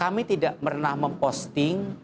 kami tidak pernah bikin instruksi untuk menghubung bandara